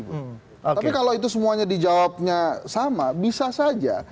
tapi kalau itu semuanya dijawabnya sama bisa saja